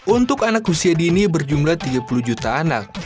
untuk anak usia dini berjumlah tiga puluh juta anak